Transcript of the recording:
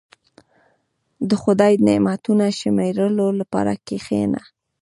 • د خدای نعمتونه شمیرلو لپاره کښېنه.